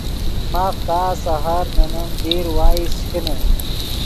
ماف تا سحر نے نیم دیر وائس چے کینے